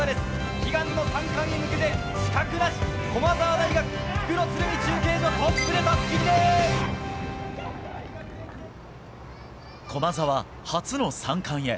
悲願の三冠へ向けて、死角なし、駒澤大学、復路、鶴見中継所、駒澤、初の三冠へ。